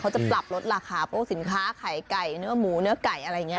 จะปรับลดราคาพวกสินค้าไข่ไก่เนื้อหมูเนื้อไก่อะไรอย่างนี้